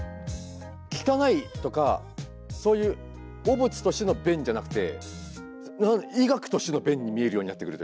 汚いとかそういう汚物としての便じゃなくて医学としての便に見えるようになってくるというか。